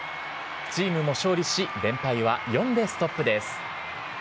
チームも勝利し、連敗は４でストップです。